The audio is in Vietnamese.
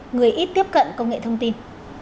người ít tiếp cận công nghệ thông tin